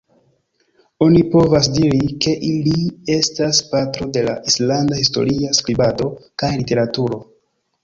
Oni povas diri ke li estas patro de la islanda historia skribado kaj literaturo.